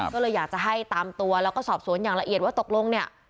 ก็เลยอยากจะให้ตามตัวแล้วก็สอบสวนอย่างละเอียดว่าตกลงเนี่ย